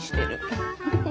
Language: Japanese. フフフフ。